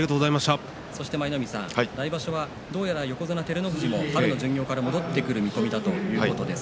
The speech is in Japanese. そして舞の海さん、来場所はどうやら横綱照ノ富士も巡業から戻ってくる見込みだということです。